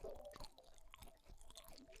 আমি জানি, আমার আর বেশি দিন নাই।